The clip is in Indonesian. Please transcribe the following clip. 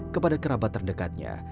kepada kerabat terdekatnya